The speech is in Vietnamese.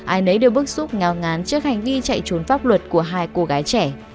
ai nấy đều bước xúc ngào ngán trước hành vi chạy trốn pháp luật của hai cô gái trẻ